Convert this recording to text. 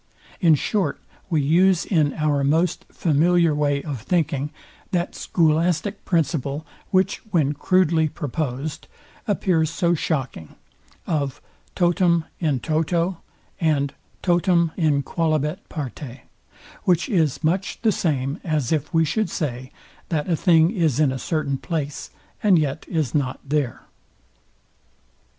In short, we use in our most familiar way of thinking, that scholastic principle, which, when crudely proposed, appears so shocking, of TOTUM IN TOTO & TOLUM IN QUALIBET PARTE: Which is much the same, as if we should say, that a thing is in a certain place, and yet is not there.